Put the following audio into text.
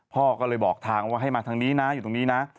พ่อก็เลยบอกทางว่าให้มาทางนี้นะอยู่ตรงนี้นะ